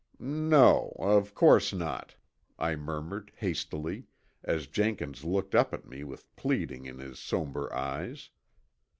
"No, of course not," I murmured hastily, as Jenkins looked up at me with pleading in his somber eyes.